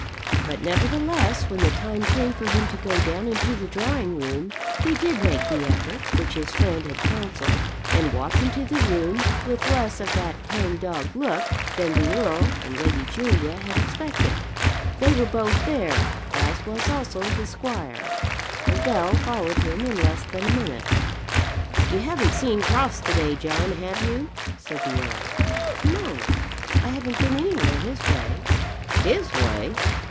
But nevertheless, when the time came for him to go down into the drawing room he did make the effort which his friend had counselled, and walked into the room with less of that hang dog look than the earl and Lady Julia had expected. They were both there, as was also the squire, and Bell followed him in less than a minute. "You haven't seen Crofts to day, John, have you?" said the earl. "No; I haven't been anywhere his way!" "His way!